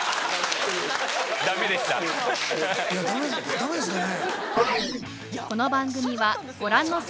ダメですかね？